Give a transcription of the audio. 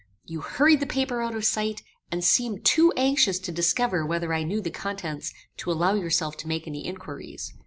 You hurried the paper out of sight, and seemed too anxious to discover whether I knew the contents to allow yourself to make any inquiries.